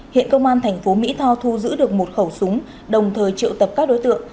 hiện công an tp mỹ tho thu giữ được một khẩu súng đồng thời triệu tập các đối tượng